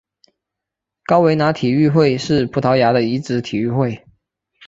高维拿体育会是葡萄牙的一支体育会。